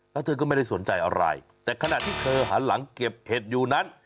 แล้วเธอก็ไม่ได้สนใจอะไรแต่ขณะที่เธอหันหลังเก็บเห็ดอยู่นั้น